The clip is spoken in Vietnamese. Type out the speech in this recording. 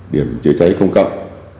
điểm chữa cháy công cộng